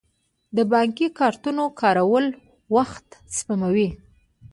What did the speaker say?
د بانکي کارتونو کارول وخت سپموي.